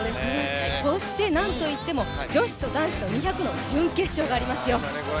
そしてなんと言っても女子と男子の２００の準決勝がありますよ。